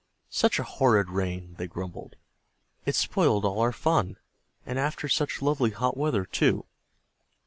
"Such a horrid rain!" they grumbled, "it spoiled all our fun. And after such lovely hot weather too."